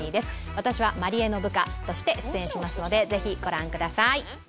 私は万里江の部下として出演しますのでぜひご覧ください。